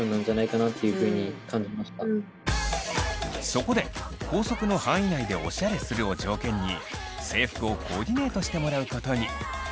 そこで校則の範囲内でオシャレするを条件に制服をコーディネートしてもらうことに。